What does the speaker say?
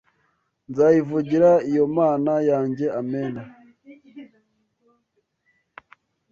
nzayivugira iyo mana yanjye amen